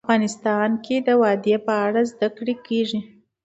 افغانستان کې د وادي په اړه زده کړه کېږي.